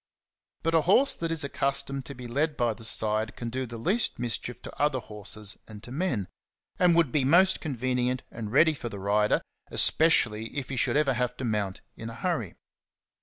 But a horse that is accustomed to be led by the side can do the least mischief to other horses and to men, and would be most convenient and ready for the rider, especially if he should ever have to mount in a hurry.